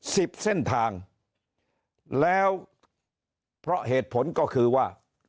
สิบเส้นทางแล้วเพราะเหตุผลก็คือว่า